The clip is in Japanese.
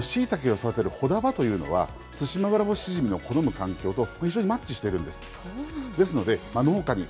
このシイタケを育てるほだ場というのは、ツシマウラボシシジミの好む環境と非常にマッチしているんです。